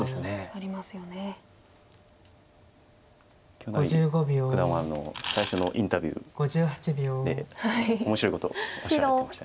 清成九段は最初のインタビューで面白いことおっしゃってましたよね。